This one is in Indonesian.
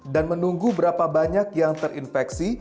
dan menunggu berapa banyak yang terinfeksi